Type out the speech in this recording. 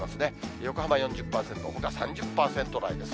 横浜４０％、ほか３０％台です。